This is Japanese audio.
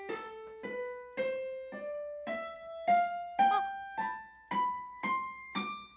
あっ！